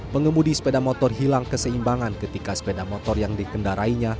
pengemudi sepeda motor hilang keseimbangan ketika sepeda motor yang dikendarainya